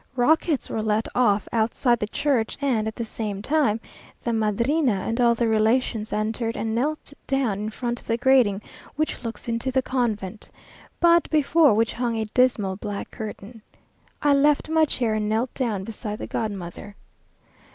Rockets were let off outside the church, and, at the same time, the Madrina and all the relations entered and knelt down in front of the grating which looks into the convent, but before which hung a dismal black curtain. I left my chair and knelt down beside the godmother.